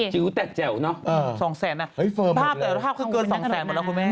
จิ๋วแตกแจ่วเนอะ๒๐๐๐๐๐บาทภาพเกิน๒๐๐๐๐๐บาทหมดแล้วคุณแม่